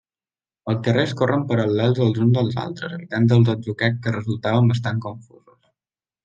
Els carrers corren paral·leles els uns als altres, evitant els atzucacs que resultaven bastant confusos.